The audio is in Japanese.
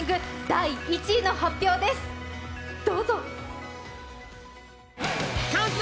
第１位の発表です、どうぞ。